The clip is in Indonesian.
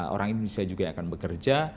orang indonesia juga akan bekerja